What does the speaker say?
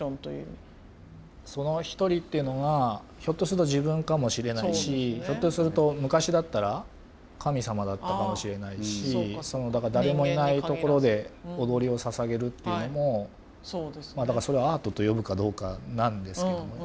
その１人っていうのはひょっとすると自分かもしれないしひょっとすると昔だったら神様だったかもしれないしだから誰もいないところで踊りをささげるっていうのもだからそれをアートと呼ぶかどうかなんですけども。